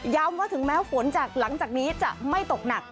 ว่าถึงแม้ฝนจากหลังจากนี้จะไม่ตกหนัก